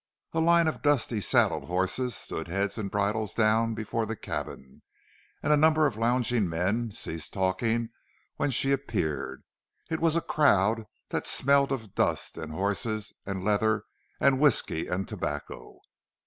A line of dusty saddled horses stood heads and bridles down before the cabin, and a number of lounging men ceased talking when she appeared. It was a crowd that smelled of dust and horses and leather and whisky and tobacco.